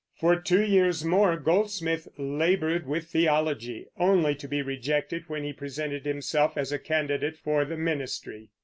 For two years more Goldsmith labored with theology, only to be rejected when he presented himself as a candidate for the ministry.